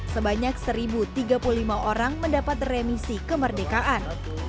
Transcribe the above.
sebanyak satu tiga puluh lima orang mendapat remisi kemerdekaan